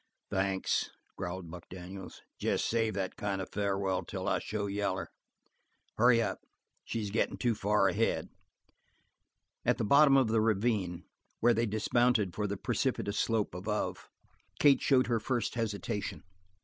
"Thanks," growled Buck Daniels. "Jes save that kind farewell till I show yaller. Hurry up, she's gettin' too far ahead." At the bottom of the ravine, where they dismounted for the precipitous slope above, Kate showed her first hesitation.